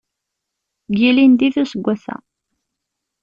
N yilindi d useggas-a.